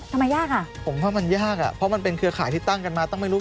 ทำไมยากอ่ะผมว่ามันยากอ่ะเพราะมันเป็นเครือข่ายที่ตั้งกันมาตั้งไม่รู้